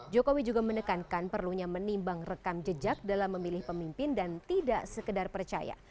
jokowi juga menekankan perlunya menimbang rekam jejak dalam memilih pemimpin dan tidak sekedar percaya